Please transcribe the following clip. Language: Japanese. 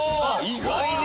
意外に。